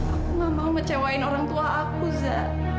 aku gak mau mecewain orang tua aku za